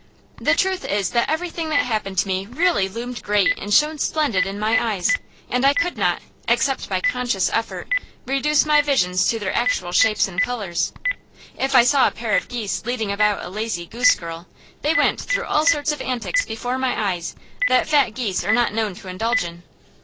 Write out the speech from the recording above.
The truth is that everything that happened to me really loomed great and shone splendid in my eyes, and I could not, except by conscious effort, reduce my visions to their actual shapes and colors. If I saw a pair of geese leading about a lazy goose girl, they went through all sorts of antics before my eyes that fat geese are not known to indulge in.